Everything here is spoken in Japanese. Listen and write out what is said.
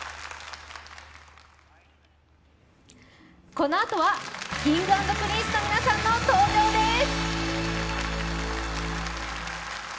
このあとはＫｉｎｇ＆Ｐｒｉｎｃｅの皆さんの登場です！